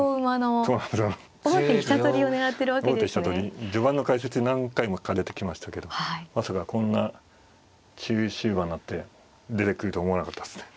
王手飛車取り序盤の解説に何回か出てきましたけどまさかこんな中終盤になって出てくるとは思わなかったっすね。